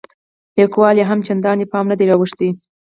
لیکوالو یې هم چندان پام نه دی وراوښتی.